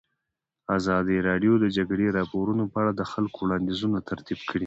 ازادي راډیو د د جګړې راپورونه په اړه د خلکو وړاندیزونه ترتیب کړي.